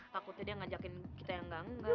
takutnya dia ngajakin kita yang enggak enggak